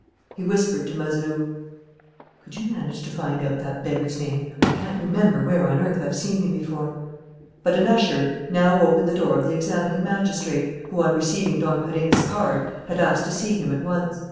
He whispered to Mazeroux: "Could you manage to find out that beggar's name? I can't remember where on earth I've seen him before." But an usher now opened the door of the examining magistrate, who, on receiving Don Perenna's card, had asked to see him at once.